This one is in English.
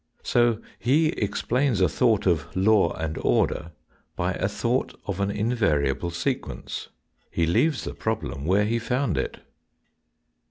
So he explains a thought " f law and order by a thought of an invariable sequence. lie leaves the problem where he found it.